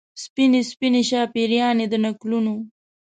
سپینې، سپینې شاپیريانې د نکلونو